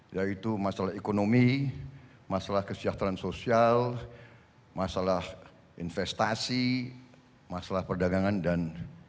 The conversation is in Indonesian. yaitu masalah ekonomi masalah kesejahteraan sosial masalah investasi masalah perdagangan dan